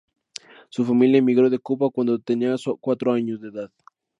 Su familia emigró de Cuba cuando tenía cuatro años de edad.